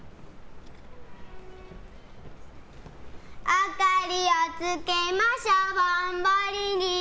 「あかりをつけましょぼんぼりに」